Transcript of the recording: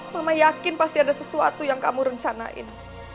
mama yakin pasti ada sesuatu yang kamu rencanain